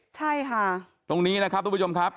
ใช่ค่ะตรงนี้นะครับทุกผู้ชมครับ